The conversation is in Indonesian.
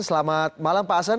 selamat malam pak asen